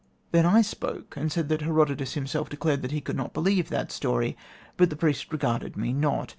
Then I spoke, and said that Herodotus himself declared that he could not believe that story; but the priest regarded me not.